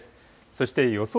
そして予想